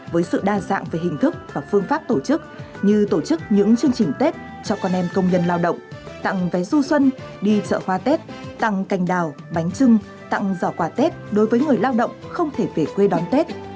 kinh thức và phương pháp tổ chức như tổ chức những chương trình tết cho con em công nhân lao động tặng vé du xuân đi chợ hoa tết tặng cành đào bánh trưng tặng giỏ quà tết đối với người lao động không thể về quê đón tết